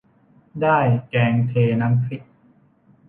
ได้แกงเทน้ำพริก